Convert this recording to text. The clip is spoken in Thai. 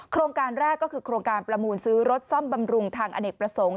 โครงการแรกก็คือโครงการประมูลซื้อรถซ่อมบำรุงทางอเนกประสงค์